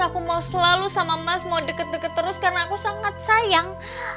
aku mau selalu sama mas mau deket deket terus karena aku sangat sayang